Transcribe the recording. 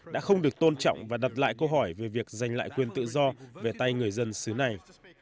đã không được tôn trọng và đặt lại câu hỏi về việc giành lại quyền tự do về tay người dân xứ này